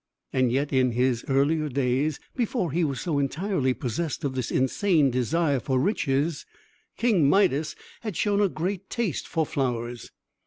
And yet, in his earlier days, before he was so entirely possessed of this insane desire for riches, King Midas had shown a great taste for flowers.